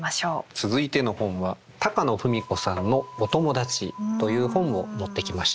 続いての本は高野文子さんの「おともだち」という本を持ってきました。